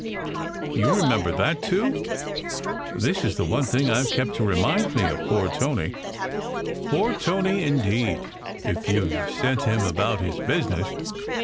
"You remember that, too? This is the one thing I ve kept to remind me of poor Tony." SECRET HISTORY 303 "Poor Tony, indeed, if you ve sent him about his business."